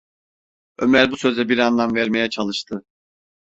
Ömer bu söze bir anlam vermeye çalıştı.